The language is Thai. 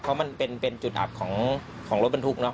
เพราะมันเป็นจุดอับของรถบรรทุกเนอ